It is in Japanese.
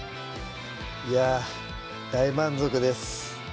いやぁ大満足です